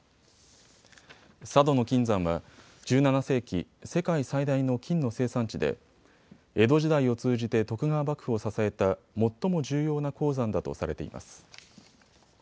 佐渡島の金山は１７世紀、世界最大の金の生産地で江戸時代を通じて徳川幕府を支えた最も重要な鉱山だとされています。